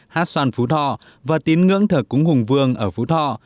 hát soàn phú thọ và tín ngưỡng thở cúng hùng vương ở phú thọ